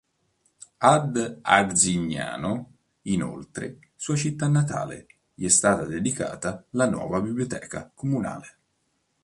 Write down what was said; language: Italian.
Ad Arzignano inoltre, sua città natale, gli è stata dedicata la nuova biblioteca comunale.